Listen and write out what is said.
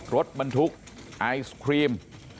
รถบรรทุกไอศครีม